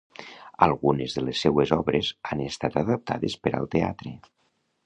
Algunes de les seues obres han estat adaptades per al teatre.